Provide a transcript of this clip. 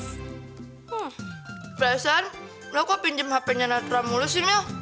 hmm perasaan lo kok pinjem hpnya natura mulu sih mil